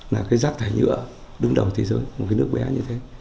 là rác thải nhựa đứng đầu thế giới một nước bé như thế